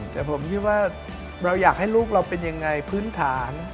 แต่ผมคิดว่าเราอยากให้ลูกเราเป็นยังไงพื้นฐาน